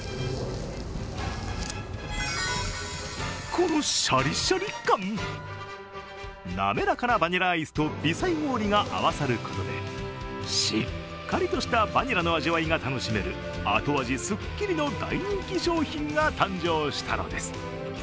このシャリシャリ感、滑かなバニラアイスと微細氷が合わさることでしっかりとしたバニラの味わいが楽しめる後味すっきりの大人気商品が誕生したのです。